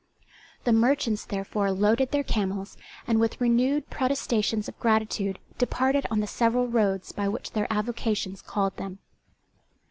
The merchants therefore loaded their camels, and with renewed protestations of gratitude departed on the several roads by which their avocations called them.